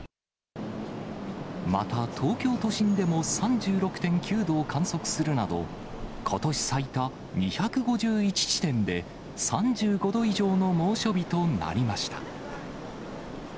また、東京都心でも３６．９度を観測するなど、ことし最多、２５１地点で３５度以上の猛暑日となりました。